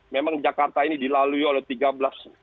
memang jakarta ini dilalui oleh tiga belas